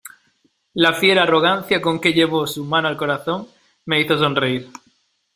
la fiera arrogancia con que llevó su mano al corazón, me hizo sonreír ,